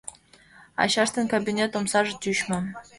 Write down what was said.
Ачаштын кабинет омсаже тӱчмӧ.